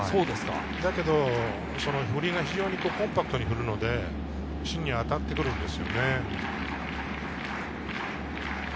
だけど振りが非常にコンパクトに振るので芯に当たってくるんです。